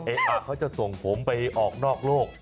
เอกอาร์เขาจะส่งผมไปออกนอกโลก